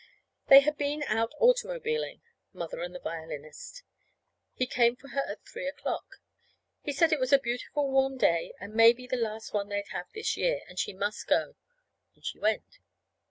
They had been out automobiling Mother and the violinist. He came for her at three o'clock. He said it was a beautiful warm day, and maybe the last one they'd have this year; and she must go. And she went.